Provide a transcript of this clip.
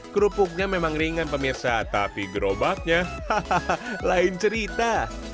kerupuknya memang ringan pemirsa tapi gerobaknya hahaha lain cerita